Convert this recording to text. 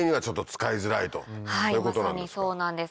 まさにそうなんです。